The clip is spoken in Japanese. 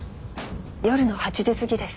夜の８時過ぎです。